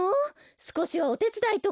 すこしはおてつだいとか。